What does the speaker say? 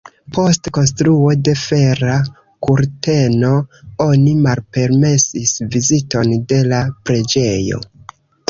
Post konstruo de Fera kurteno oni malpermesis viziton de la preĝejo.